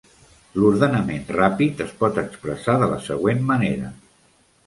L'ordenament ràpid es pot expressar de la següent manera.